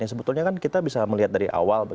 sebetulnya kan kita bisa melihat dari awal